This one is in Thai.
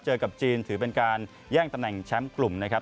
กับจีนถือเป็นการแย่งตำแหน่งแชมป์กลุ่มนะครับ